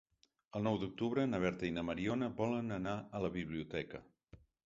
El nou d'octubre na Berta i na Mariona volen anar a la biblioteca.